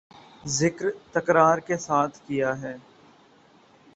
ذکر تکرار کے ساتھ کیا ہے